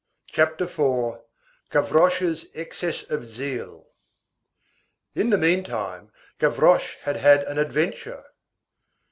CHAPTER IV—GAVROCHE'S EXCESS OF ZEAL In the meantime, Gavroche had had an adventure.